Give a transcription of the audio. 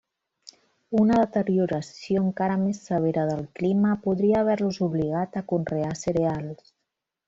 Una deterioració encara més severa del clima podria haver-los obligat a conrear cereals.